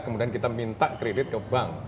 kemudian kita minta kredit ke bank